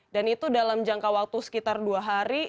dan itu dalam jangka waktu sekitar dua hari